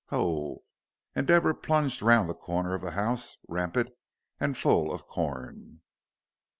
Hoh!" and Deborah plunged round the corner of the house, rampant and full of corn.